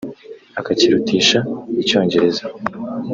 akakirutisha icyongereza